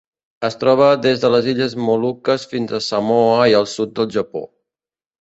Es troba des de les Illes Moluques fins a Samoa i el sud del Japó.